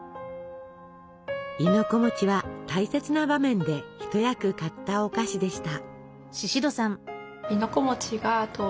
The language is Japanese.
亥の子は大切な場面で一役買ったお菓子でした。